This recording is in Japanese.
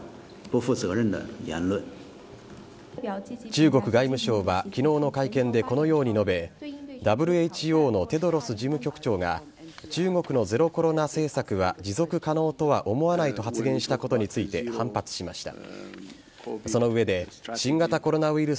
中国外務省は昨日の会見でこのように述べＷＨＯのテドロス事務局長が中国のゼロコロナ政策は持続可能とは思わないと発言したことについて反発しました。